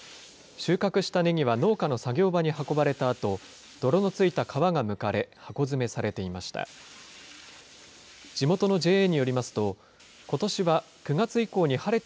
収穫したねぎは農家の作業場に運ばれたあと、泥のついた皮がむかれ、箱詰めされていました。